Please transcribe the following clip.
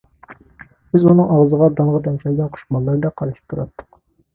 بىز ئۇنىڭ ئاغزىغا دانغا تەمشەلگەن قۇش بالىلىرىدەك قارىشىپ تۇراتتۇق.